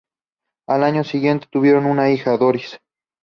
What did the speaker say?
Al año siguiente tuvieron una hija, Doris.